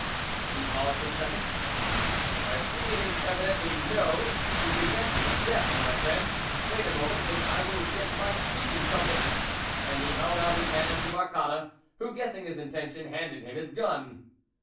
He paused a second. " I see, it is evidently, no ; you pretend to be deaf, my friend ; wait a moment, and I will get my speaking trumpet," and he held out his hand to Marcotte, who, gues sing his intention, handed him his gun.